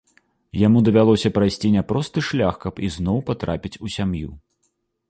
Яму давялося прайсці няпросты шлях каб ізноў патрапіць у сям'ю.